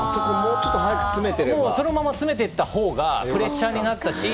そのまま詰めていった方がプレッシャーになったし。